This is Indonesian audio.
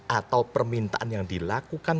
atau permintaan yang dilakukan